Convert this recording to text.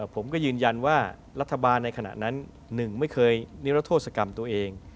ผมก็ยืนยันว่ารัฐบาลในขณะนั้น๑ไม่เคยนิรโทษกรรมตัวเอง